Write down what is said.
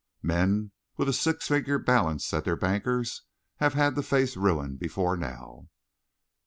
Men with a six figure balance at their banker's have had to face ruin before now."